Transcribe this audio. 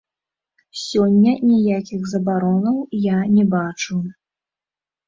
Сёння ніякіх забаронаў я не бачу.